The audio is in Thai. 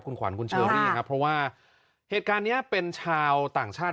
คุณขวัญคุณเชอรี่ครับเพราะว่าเหตุการณ์นี้เป็นชาวต่างชาติ